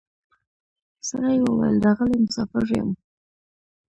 سړي وویل راغلی مسافر یم